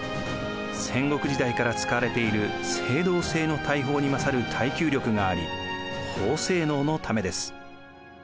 戦国時代から使われている青銅製の大砲に勝る耐久力があり高性能のためです。